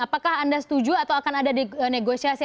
apakah anda setuju atau akan ada negosiasi